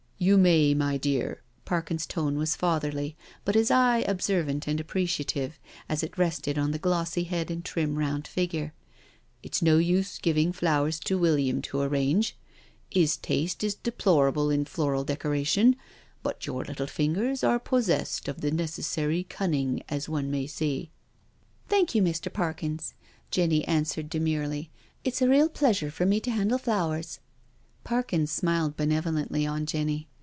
" You may, my dear." Parkins's tone was fatherly, but his eye observant and appreciative, as it rested on the glossy head and trim round figure. " It's no use giving flowers to William to arrange, 'is taste is deplor able in floral decoration, but your little fingers are possf^sed of the necessary cunning, as one may say." 214 NO SURRENDER " Thank you, Mr. Parkins," Jenny answered de murely; " it's a real pleasure to me to handle flowers." Parkins smiled benevolently on Jenny.